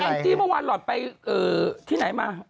นี่แอมป์จี้เมื่อวานหลอดไปที่ไหนมา